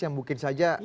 yang mungkin saja